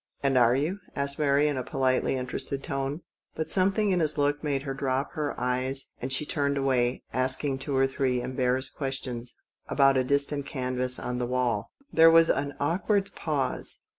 " And are you ?" asked Mary, in a politely interested tone ; but something in his look made her drop her eyes, and she turned away asking two or three embarrassed questions about a distant canvas on the wall. There was an awkward pause.